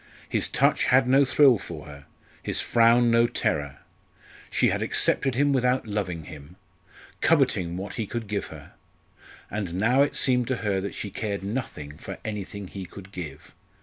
His touch had no thrill for her; his frown no terror. She had accepted him without loving him, coveting what he could give her. And now it seemed to her that she cared nothing for anything he could give!